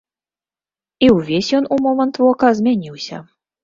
І ўвесь ён у момант вока змяніўся.